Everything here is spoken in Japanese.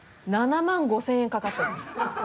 ７万５０００円かかっております。